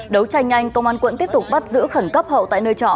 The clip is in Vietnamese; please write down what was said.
đấu tranh nhanh công an quận tiếp tục bắt giữ khẩn cấp hậu tại nơi trọ